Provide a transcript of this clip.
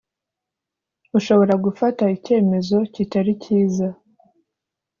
ushobora gufata icyemezo kitari kiza